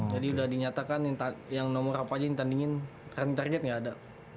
jadi udah dinyatakan yang nomor apa aja yang ditandingin running target enggak ada